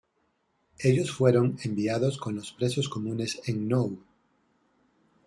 Ellos fueron enviados con los presos comunes en Nou.